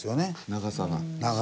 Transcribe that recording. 長さが。